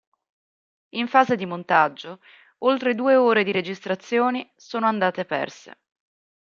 In fase di montaggio oltre due ore di registrazioni sono andate perse.